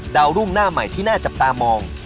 ดาวรุ่งหน้าใหม่ที่น่าจับตามอง